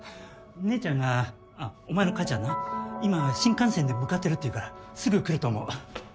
姉ちゃんがあっお前の母ちゃんな今新幹線で向かってるっていうからすぐ来ると思う。